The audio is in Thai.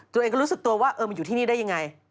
ตัวเองก็รู้สึกตัวว่ามันอยู่ที่นี่ได้อย่างไร